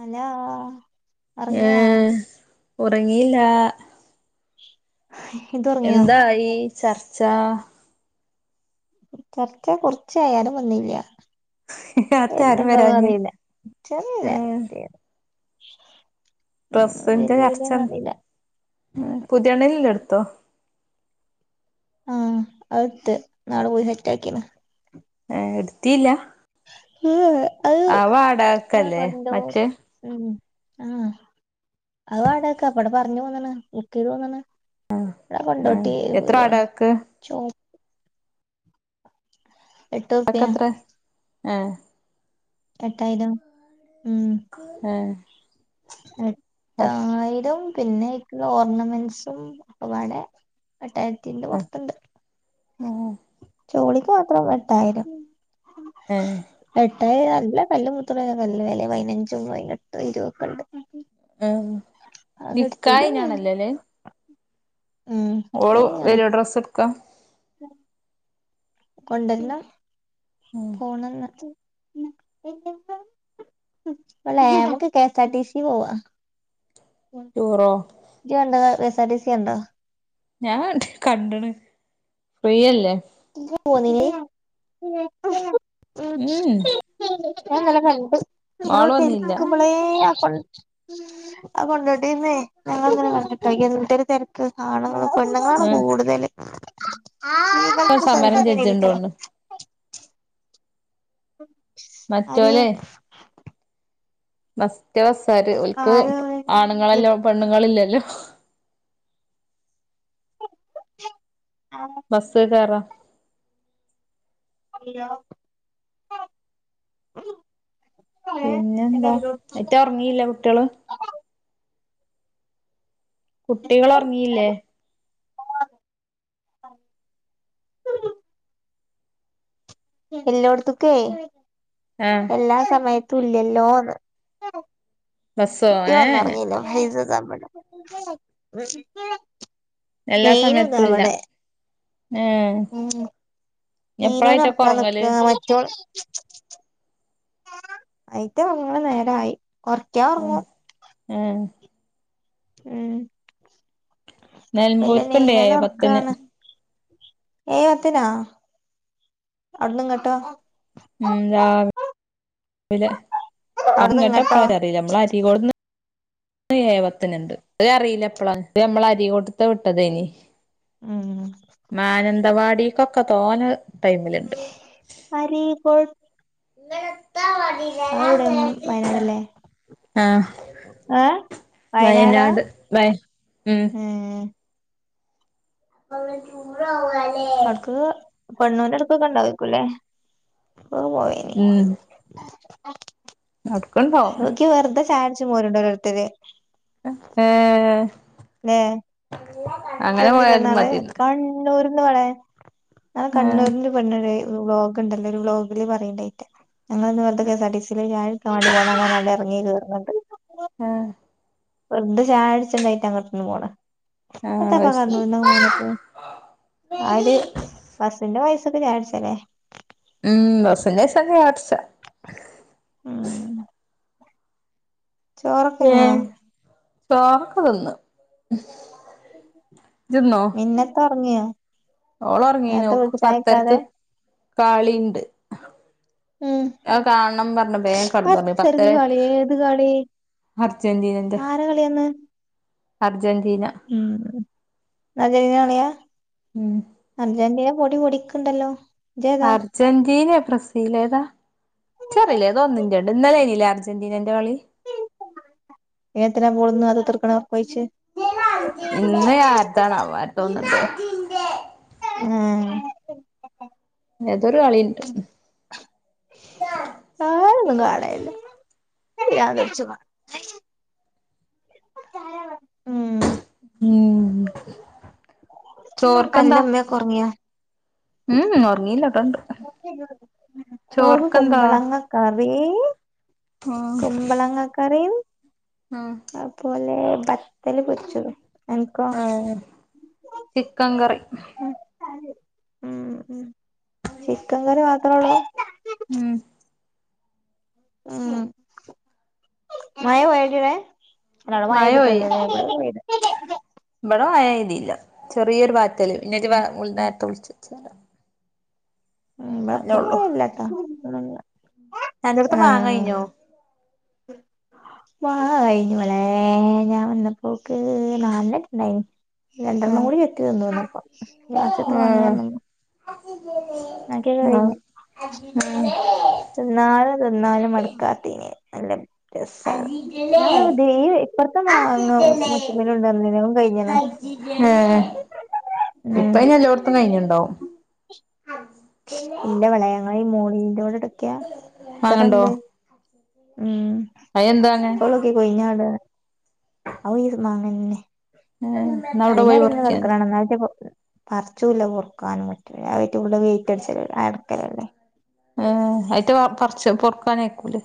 Hello ഒർങ്ങിയോ ഉറങ്ങീല്ലാ ഇത് ഒറങ്ങിയോ എന്തായി ചർച്ച ചർച്ച കൊർച്ചായി ആരും വന്നീല്ല വരുണ് അതാരും ണ്ടന്നും വരാഞ്ഞെ അറിയില്ല ഇച്ചറീല്ല [inaudible] ഏഹ് ഡ്രസ്സിന്റെ ചർച്ച പുതിയണ്ണിന് ല്ലെ എട്ത്തോ ആഹ് അത് ഇട്ത്ത് ഇന്നാള് പോയി സെറ്റാക്കീണ് ഏഹ് ഇട്ത്തീല്ല ഏ ഏ ആഹ് വാടകക്കല്ലേ മറ്റേ ഉം ആഹ് അത് വാടകക്ക അപ്പവ്ടെ പർഞ്ഞ് പോന്ന്ണ് ബുക്ക് ചെയ്ത് പോന്ന്ണ്. ഞാൻ ഏഹ് കൊങ്ങോട്ടി ഒരു എത്ര പീടിയേല വാടകക്ക് ചോ എട്ടുറുപ്യ പക്കത്ര ഏ എട്ടായിരം ഉം ഏ എട്ടായിരം പിന്നെഐക്ള്ള ഓർണമെന്റ്സും ഒക്കെപാടെ എട്ടായിരത്തിന്റെ പൊർത്ത്ണ്ട് ഏ ചോളിക്ക് മാത്രം എട്ടായിരം ഏഹ് എട്ടായി നല്ല കല്ല് മുത്തള നല്ല വെലെ പതിനഞ്ചും പൈനട്ടും [inaudible] ഇരുവൊക്കെ ഇണ്ട് ഏ നിക്കാഹയ്നാണല്ലോ ല്ലേ അത് ഉം ഓള് വരോ ഡ്രസ്സ്‌ട്ക്കാം കൊണ്ടർണം പോണം [unintelligible] ഇവളേ നമുക്ക് K S R T C യില് പോവാ ടൂറോ ഇജി കണ്ടാതാ K S R T C കണ്ടോ ഞാൻ കണ്ടണു ഫ്രീയല്ലേ ഇജ്ജ് പോന്നിനി [unintelligible] ഉം ഞാനിന്നലെ കണ്ടു ഓള് വന്നില്ല [unintelligible] അഹ് കൊണ്ടോട്ടീന്നേ ഞങ്ങളി ങ്ങനെകണ്ടു ട്ടോ എന്തൊരു തിരക്ക് കെ കാണുന്ന ആണുങ്ങളെ പെണ്ണുങ്ങളാണ് ഏഹ് കൂടുതലെ ഇപ്പ സ്ത്രീകൾക്ക് സമരം സൗകര്യം ലഭിക്കണം ചെജ്ജണ്ടോണ് അര്യേ മറ്റോലെ മറ്റേ ബസാാര് ഒല്ക്ക് ആരും ആണുങ്ങളല്ലേ പെണ്ണുങ്ങളില്ലല്ലോ [unintelligible] ആ ബസ്സ്‌ കേറാ അ [unintelligible] പിന്നെന്താ ആയിറ്റ ഉറങ്ങിയില്ലേ കുട്ടികള് കുട്ടികളൊറങ്ങിയില്ലേ ഉ [unintelligible] എല്ലോടത്തൊക്കേ ആഹ് എല്ലാ സമയത്ത് തുല്ലല്ലോന്ന് ബസ്സോ ഏ എ കുട്ടിയൊന്നുറങ്ങിയില്ല ഹൈസു താ ഇവിടെ ഷ [unintelligible] എല്ലാ സമയത്തും ഇല്ല ഏഹ് ഉ മീനോന ഉറക്കാ ഒറങ്ങല് നിക്ക [unintelligible] ആയിറ്റൊറങ്ങണ നേരായി ഉറക്ക്യ ഒറങ്ങും ഏഹ് ഏഹ് നെൽമ്പൂർക്ക്ണ്ട് ഏഴേ നീനെനെ പത്തിന് ഒറക്കാണ് ഏഹ് അത്തനാ അവിടുന്ന് ഇങ്ങട്ടോ ഉം രാവി ലെ അപ്പൊ അവിടന്ന് ഇങ്ങട്ട് ഇങ്ങട്ടോ എപ്പളാ അറിയില്ല നമ്മള അരികൊട്ട് ന്ന് [inaudible] ഏഹ് എഴേ പതിനുണ്ട് അത് അറിയില്ല എപ്പളാന്ന് ദേ നമ്മള അരീക്കോട്ടത്തെവിട്ടതേനി ആഹ് മാനന്തവാടിക്കൊക്കെ തോന ടൈമിലുണ്ട് അരീകോട് ഇന്നത്താ മടില്ല ഞൻ അതെവിടെ വ വയനാടല്ലേ [unintelligible] ആഹ് ഏഹ് വയനാടാ വയനാട് വയ ഉം ഏഹ് അ [unintelligible] ആൾക്ക് പെണ്ണൂന്റടക്കക്കൊണ്ടാക്കൂല്ലേ പോയേനെ ആ ആഹ [inaudible] അവിടക്ക് ഉണ്ടാകും ക്കു വെറുത ചായ കുടിച് പോരുണ്ടോരോരുത്തർ ഏഹ് നേ അ [inaudible] ഇജ്ജ് കണ്ടിലെ ന്നാൾ കണ്ണൂർന്ന് വാളേ ആഹ് കണ്ണൂരി പെണ്ണ് ണ്ടലോ വ്ലോഗൊണ്ടല്ലോ ഒരു വ്ലോഗിലു പറയണ്ടേറ്റ് ഞങ്ങളിന്നു വെറുതെ K S R T C ലെ ചായ കുടിക്കാൻ പോന്നതാണ് ന്നും പറഞ്ഞു ഇറങ്ങി കയറിണ്ട് ആഹ് വെറുതെ ചായകുടിച്ചാനായിട്ട അങ്ങോട്ടന്ന് പോണ എത്ത ആഹ് പ്പം അത് ശരി കണ്ണൂർന്നൊക്കെ പോന്നിട്ട് ആര് ബസിന്റെ പയസ്സൊക്കെ ചായ കുടിച്ചാലേ ഉം ബസിന്റെ പൈസ ക്ക് ചായ കുടിച്ച ഉം ചോറൊക്കെ തിന്നോ ഏഹ് ചോറക്കെ തിന്ന് ഇജ്ജ് മിന്നത്തൊർങ്ങിയോ? ഓളൊർങ്ങീണ് ഓക്ക് പത്തരക്ക് കളീണ്ട്. ഉം ആഹ് കാണം പർഞ്ഞ്‌ വേഗം കട്ന്നൊർങ്ങി പത്തരക്ക് പത്തരെ കളി ഏത് കളി അർജന്റീനന്റെ ആര കളിയാന്ന് അർജന്റീന ഉം [unintelligible] ഉം അർജന്റീന പൊടി പൊടിക്ക്ണ്ടല്ലോ ഇജ്ജേതാ അർജന്റീനേ ബ്രസീൽ ഏതാ ഇച്ചറീല ഏതോ ഒന്നിന്റെ ഇന്നലേഞ്ഞില്ലേ അർജന്റീനന്റെ കളി [unintelligible] ഒർക്കൊഴ്ച്ച് ഇന്ന് ആര്താണാവോ ആര്തോന്ന്ണ്ട് [unintelligible] ഏതോരു കളിണ്ട്. ഞാനോന്നും കാണല്ല [unintelligible] ഉം ഉം ചോർക്കെന്താ അന്റെമ്മയൊക്കെ ഒറങ്ങിയോ ഉം ഒർങ്ങീല്ല അടെണ്ട് ചോർക്ക് കുമ്പളങ്ങ കറി ആഹ് മാങ്ങ കറീം ആഹ് അത് പോലെ ബത്തല് പൊര്ച്ചതും അനക്കോ ഏ ചിക്കം കറി ഉം ഉം ചിക്കൻ കറി മാത്രേള്ളൂ ഉം ഉം മഴ [unintelligible] അവടെ മഴ പൈതിട്ടന്നെല്ലല്ലോ ഇബടെ ന്ന് പെയ്തു ഇബടെ മയയ്തില്ല ചെറിയൊരു പാറ്റല് പിന്നെ ഇജ്ജ് ഉം വൈയ്നാര്ത്ത് വിൾച്ചച്ചേരം ഉം ഇബടെ പ്പ ഒള്ളു മഴല്ലാട്ടോ പ്പൊന്നൂല്ല അന്റോട്ത്തെ മാങ്ങാഴിഞ്ഞോ? മാങ്ങ കഴിഞ്ഞ്‌ വളെ ഞാൻ വന്നപ്പോക്ക് നാലെണ്ണെറ്റ് ഇണ്ടായ്നി രണ്ടെണ്ണം ഉം കൂടി ചെത്തി തിന്നു വന്നപ്പം ലാസ്‌റ്റ്ത്തെ മാങ്ങ ഞാൻ ഉം തിന്നു [unintelligible] ബാക്കിയൊക്കെ കഴിഞ്ഞ്‌ ഏഹ് തിന്നാലും തിന്നാലും മട്ക്കാത്തേനെ നല്ല രസള്ള ഞാനൊക്കെ ഡെയിലി ഇപ്പർത്തെ മാങ്ങ മുച്ചിമ്മേലും ഇണ്ടർന്നീല്ലേ അതും കഴ്ഞ്ഞ്‌ണ്. ഏഹ് ഉം ഇപ്പയ്ന് എല്ലോട്ത്തും കയിഞ്ഞ്‌ണ്ടാവും. ഇല്ലവളെ ഞങ്ങളെ ഈ മോളിന്റോടട്ക്ക്യാ വാങ്ങണ്ടോ എത്രണ്ട് ഉം അയന്ത്‌ മാങ്ങേ? ക്കെ കൊയ്ഞാടാണ്. അതും ഈ മാങ്ങന്നെ ഏഹ് ന്നാ അവിടെ പോയി കൊയ്ഞാടി ഇങ്ങനെ പറിക്കിയാതി കടക്ക്ണാണ ഇന്നാളറ്റെ പൊ പർച്ചൂല്ല പൊർക്കാനും പറ്റൂല്ല. [unintelligible] വെയിറ്റ് അട്ച്ച അട്ക്കലല്ലേ ഏഹ് അയിറ്റ പർച്ച് പൊർക്കാനായ്ക്കൂലേ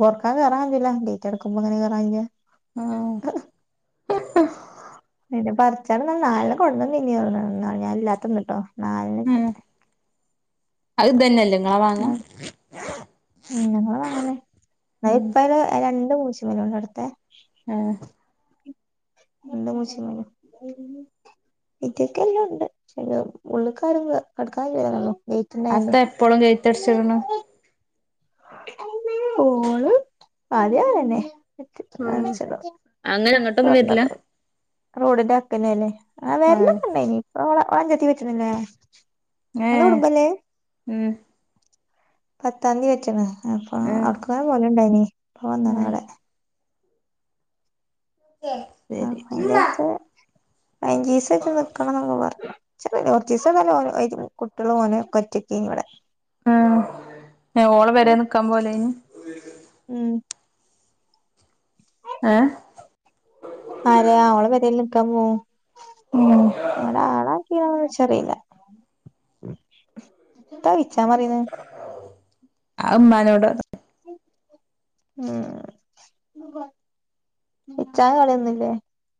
പൊർക്കാൻ കേറാൻ കയ്യൂല ഗെയ്റ്റ് അടക്കുമ്പോ എങ്ങനെ കേറാ കയ്യ ആഹ് അയിന്റെ ഭർ അച്ചാറ് ടാൻ നാലെണ്ണം കൊട്ന്നന്നീന് അർഞ്ഞു ഇന്നാള് ഞാ ഇല്ലാത്തന്ന്ട്ടോ നാൽണ്ണറ്റെ ഏഹ് അത് ഇതന്നെല്ലേ ഇങ്ങളാ മാങ്ങ ഉം ഞങ്ങളെ മാങ്ങനെ അത് ഉം ഇപ്പയ്ല് രണ്ട് മൂച്ചി മ്മല്ണ്ടവ്ട്ത്തെ ഏഹ് രണ്ട് മൂച്ചിമ്മലും ഈറ്റക്കെല്ലുണ്ട് പിന്നെ ഉള്ള്ക്കാരും കടക്കാ കയ്യൂലന്നൊള്ളു അതെത്ത എപ്പളും ഗെയ്റ്റ് അടച്ചിട്ണ് ഓള് ആദ്യേ അങ്ങനെന്നെ അടച്ചിടും അങ്ങനെങ്ങ തോർന്ന്ടും റോഡിന്റെ വക്ക്നല്ലേ ആഹ് വരല്ലോക്കണ്ടയ്നി ഓളെ ഓളഞ്ചത്തി പെറ്റ്ണ്ലെ ഇങ്ങളെ ഏഹ് കുടുബല്ലത് ഉം പത്താംതീ പെറ്റ്ണ് അപ്പൊ ഏഹ് അവ്ട്ക്ക്ങ്ങനെ പോവല്ണ്ടായിനി ഇപ്പ വന്ന്ണ് ഏഹ് ഇവടെ ആഹ് ശരി അയിന്റെട്ത്ത് പയിനഞ്ചീസെറ്റെ നിക്കണന്നൊക്കെ പറഞ്ഞ് ഇച്ചറീല കൊറച്ചീസം ഇവടോലും കുട്ട്യേളും ഓനും ഒറ്റക്കേനിവടെ ആഹ് ഏഹ് ഓളെ പെരേ നിക്കാൻ പോലേനി ഉം ഏഹ് ആരേ ആഹ് ഓളെ പെരേല് നിക്കാൻ പോവും ഉം അവ്ടെ ആളാ യ്യോ ഇച്ചറീല എത്താ ഓയിച്ചാ പറിണെ അത് ഇമ്മാനോട് ഉം ഇച്ചായ കളിയൊന്നുല്ലേ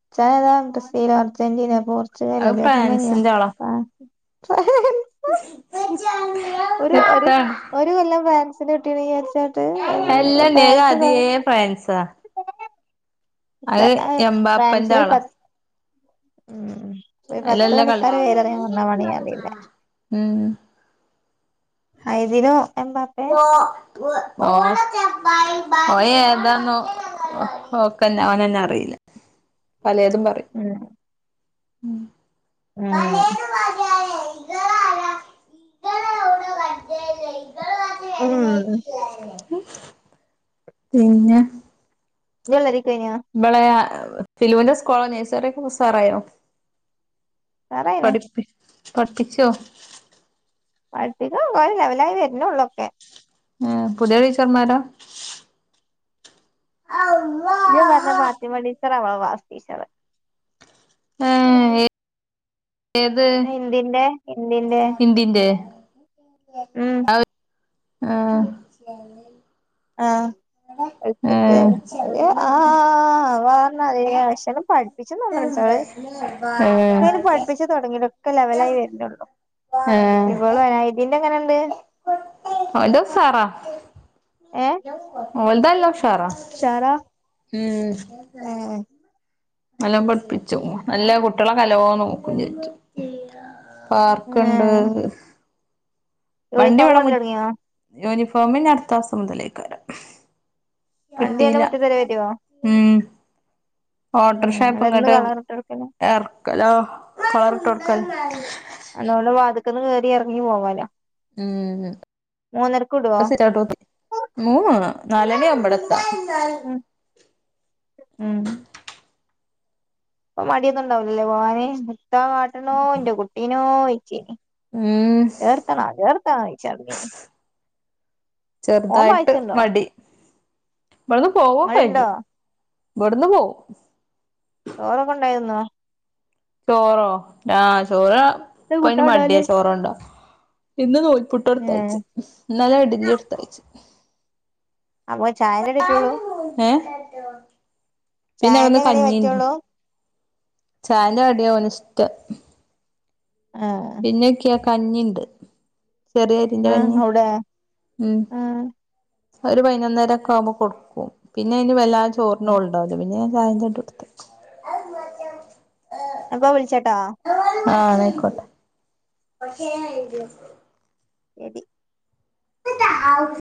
ഇച്ചായ ഏത ബ്രസീലോ അർജന്റീനെ പോർച് ച്ച്ഗലോ അത് ജർമ്മന്യോ ഫ്രാൻസിന്റെ ഫ്രാൻസ്‌ എത്താ ഒര് കൊല്ലം ഫ്രാൻസിന് കിട്ടീണ് വിചാരിച്ചാട്ട് എല് അല്ലണ്ണി അത് ഫ്രാൻസൊക്കെ ആദ്യേ ഫ്രാൻസാ അത് എംമ്പാപ്പന്റെ ഫ്രാൻസില് ആളാ പത്ത് ഉം ഒര് പത്ത് അയിലല്ല കളി കളിക്കാരേ പേര്റിയാൻ പറഞ്ഞാ മാണെങ്കി അറീല ഉം ഹൈദിനും എംമ്പാപ്പ് ഓൻ ഓന് ഏതാന്ന് ഓക്കെന്നെ ഓനെന്നെ അറീല പലേതും പറിം ഉം ഉം ഉം ഇങ്ങളാരാ ഇങ്ങളെവിടെ കണ്ടില്ലേ ഉം പിന്നെ ഇജ്ജ് വെള്ളേരിക്കൊയിന്യോ ഇബളെ ഫിലുന്റെ സ്കോളൊ നഴ്സറിക്കെപ്പ ഉസാറായൊ? ഉഷാറായിണ് പഠിപ്പി പഠിപ്പിച്ചോ? പഠിപ്പിക്കാ കൊറേ ലെവലായി വര്നൊള്ളൊക്കെ ഏഹ് പുത്യേ ടീച്ചർമാരാ ഇജ്ജ് പറ്ഞ്ഞ അള്ളാഹ് ഫാത്തിമ ടീച്ചറാ ഇവളെ ക്ലാസ്സ്‌ടീച്ചറ്. ഏഹ് ഏ ഏത്? ഹിന്ദിന്റെ ഹിന്ദിന്റെ ഹിന്ദിന്റെ ഉം അത് ആഹ് ആഹ് വെള്ത്ത്ട്ട് ഓല് ആആആ വെറെള്ളധിക അക്ഷരം പിപ്പിച്ച് തന്ന്ണ് ട്ടോ അവര് ഏഹ് തൊടങ്ങിട്ടൊക്കെ ലെവലായി വര്നൊള്ളൂ ഇവള് ഹയ്തീന്റെ എങ്ങനെണ്ട്? ഓല്ത് ഉസാറ ഏഹ് ഒല്ത് നല്ല ഉഷാറാ ഉഷാറാ ഉം ഏഹ് നല്ലോം പഠ്പ്പ്ച്ചു നല്ല കുട്ട്യേളെക്കെ നല്ലോം നോക്കും ചെജ്ജും പാർക്ക്ണ്ട് ഏഹ് വണ്ടി യൂണിഫോം ഇവടെ മു കൊണ്ടരല് തൊടങ്ങിയോ യൂണിഫോമ്ഞ്ഞ് അട്ത്താസം മുതലേക്കാരം. വണ്ടി അന്റെ കിട്ടിയില മുറ്റത്ത് വരെ വരോ ഉം ഏഹ് അല്ല ഇന്ന് ഓട്ടോർഷപ്പ്ങ്ങട്ട് കളറിട്ട് കൊടുക്കലാ എർക്കലാ വേറട്ടൊട്ക്കാന് അതോണ്ട് വാതിക്കന്ന് കേറി എർങ്ങി പോവാലോ. മൂന്നരക്ക് വിടുവോ ഹ്മ്മ് സിറ്ഔട്ട് [unintelligible] മൂ നാലണി അമ്പടത്ത ഉം ഉം ഇപ്പ മടിയൊന്നുംണ്ടാവലല്ലേ ഭവാന് മുത്താവ കാാട്ടിനോ എന്റെ കുട്ടീനോ ചഴച്ചീ ഉം കേേർത്തണ കേേർത്ത ചയ് ഡ്നീനി ചെറുതായിട്ട് വായിച്ചിണ്ടോ മടി ഇമ്മളന്ന് പോവാക്കേ ഇങ്ങളുണ്ടോ ചെയ്യും ഇബെട്ന്ന് പോവും. ചോറൊക്കെ കൊണ്ടോയാന്നോ ചോറോ ആഹ ചോറ എന്താ പ്പ കൂട്ടാൻ മടിയാ കൊണ്ടോവല് ചോറ ഉണ്ടോ ഇന്ന് നൂ പുട്ട് ഏഹ് ഉടുത്താഴച്ചു ഇന്നലെ ഇഡലി എടുത്താഴച്ചു അപ്പൊ ചായലടിട്ടള്ളൂ ഏ [unintelligible] പിന്നെ അവിടന്ന് ചായന്റെ കടിയേ കഞ്ഞിണ്ട് പറ്റുള്ളൂ ചാന്റെ കടിയവന ഇഷ്ട ആഹ് പിന്നെ ഒക്കെയ കഞ്ഞിുണ്ട് ചെറിയ അരിന്റെ ആഹ് കഞ്ഞി അവിടെ ഉം ആഹ് ഒരു പതിനൊന്നരം ഒെ ആകുമ്പോൾ കൊടുക്കും പിന്നെ അതിന് വെല്ല ചോറിന് ഉൾഡാകും പിന്നൊ ചായ ചട്ട കൊടുത്ത് അപ്പൊ വിളിച്ചേട്ടോ ആഹ ആയിക്കോട്ടെ എത് [inaudible]